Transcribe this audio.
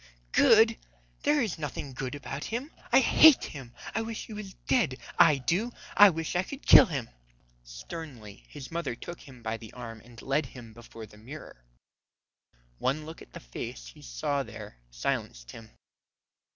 "Good! There is nothing good about him. I hate him. I wish he was dead, I do. I wish I could kill him." Sternly his mother took him by the arm and led him before the mirror. One look at the face he saw there silenced him.